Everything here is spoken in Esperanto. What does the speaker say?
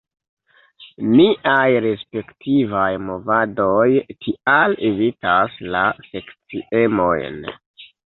Niaj respektivaj movadoj tial evitas la sekciemojn.